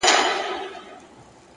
نظم د ګډوډ ژوند تارونه سره نښلوي.!